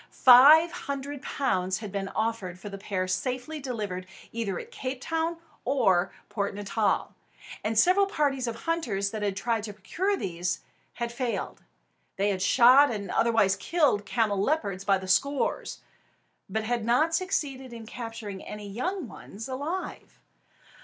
Five hundred pounds had been offered for the pair safely delivered either at Cape Town or Port Natal; and several parties of hunters that had tried to procure these had failed. They had shot and otherwise killed camelopards by the score, but had not succeeded in capturing any young ones alive.